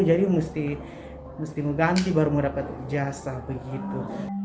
jadi mesti mengganti baru mendapat ijazah begitu